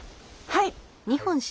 はい。